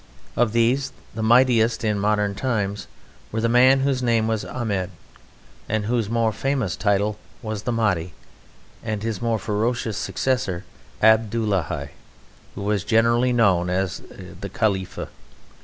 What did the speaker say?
Of these the mightiest in modern times were the man whose name was Ahmed, and whose more famous title was the Mahdi; and his more ferocious successor Abdullahi, who was generally known as the Khalifa.